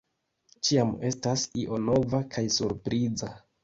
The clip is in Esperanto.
Ĉiam estas io nova kaj surpriza.